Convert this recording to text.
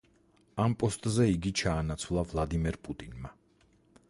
ამ პოსტზე იგი ჩაანაცვლა ვლადიმერ პუტინმა.